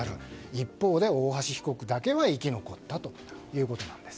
一方で、大橋被告だけは生き残ったということなんです。